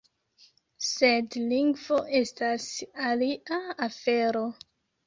Sed lingvo estas alia afero.